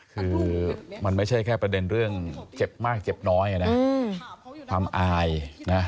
คือมันไม่ใช่แค่ประเด็นเรื่องเจ็บมากเจ็บน้อยนะความอายนะ